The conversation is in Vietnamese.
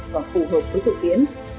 và phù hợp với thực tiễn